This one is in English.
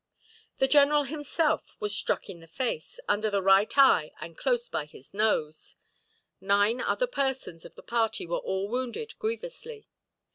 The general himself was struck in the face, under his right eye and close by his nose. Nine other persons of the party were all wounded grievously.